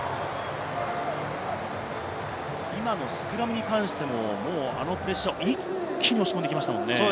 今のスクラムに関して、あのプレッシャーを一気に押し込んできましたね。